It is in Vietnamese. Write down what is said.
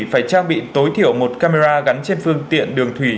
phải trang bị tối thiểu một camera gắn trên phương tiện đường thủy